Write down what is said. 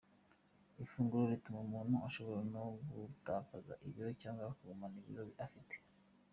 Ifunguro rituma umuntu ashobora no gutakaza ibiro cyangwa akagumana ibiro afite.